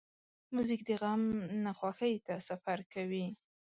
موزیک د غم نه خوښۍ ته سفر کوي.